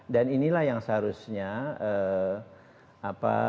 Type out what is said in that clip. dan inilah yang seharusnya